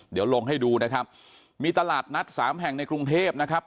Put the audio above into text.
เดี๋ยวลงให้ดูนะครับมีตลาดนัดสามแห่งในกรุงเทพนะครับ